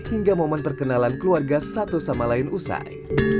hingga momen perkenalan keluarga satu sama lain usai